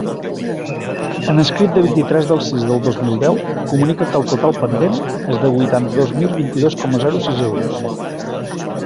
En escrit de vint-i-tres del sis del dos mil deu, comunica que el total pendent és de huitanta-dos mil vint-i-dos coma zero sis euros.